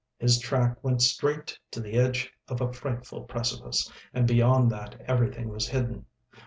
His track went straight to the edge of a frightful precipice, and beyond that everything was hidden.